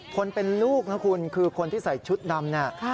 คนเป็นลูกนะคุณคือคนที่ใส่ชุดดำเนี่ย